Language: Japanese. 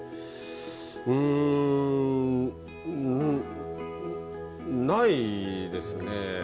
うーんないですね。